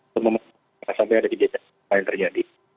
semua masalah sampai ada di jajaran lain terjadi